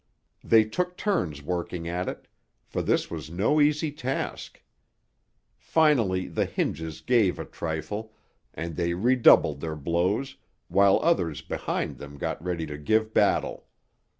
They took turns working at it, for this was no easy task. Finally the hinges gave a trifle, and they redoubled their blows, while others behind them got ready to give battle.